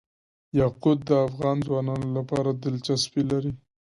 یاقوت د افغان ځوانانو لپاره دلچسپي لري.